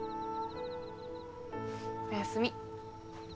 おやすみ。